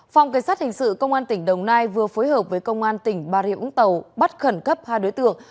phòng cảnh sát hình sự công an tỉnh đồng nai vừa phối hợp với công an tỉnh bà rịa úng tàu bắt khẩn cấp hai đối tượng